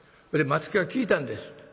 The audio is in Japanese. それで松木が聞いたんです。